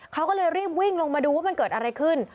เขาก็เลยรีบวิ่งลงมาดูว่ามันเกิดอะไรขึ้น